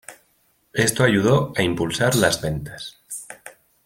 Esto ayudó a impulsar las ventas.